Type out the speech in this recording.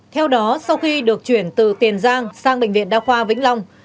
theo đó sau khi được chuyển từ tiền giang sang bệnh viện đa khoa vĩnh long